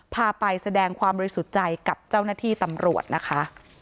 พาไปแสดงความบริสุทธิ์ใจกับเจ้าหน้าที่ตำรวจนะคะ